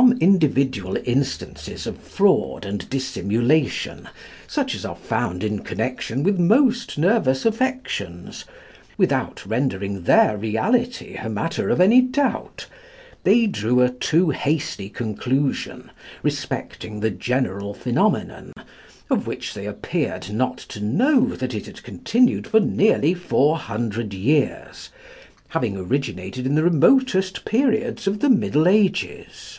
From individual instances of fraud and dissimulation, such as are found in connection with most nervous affections without rendering their reality a matter of any doubt, they drew a too hasty conclusion respecting the general phenomenon, of which they appeared not to know that it had continued for nearly four hundred years, having originated in the remotest periods of the Middle Ages.